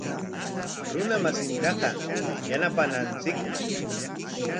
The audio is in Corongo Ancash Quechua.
Runa masintaqa yanapananchikmi.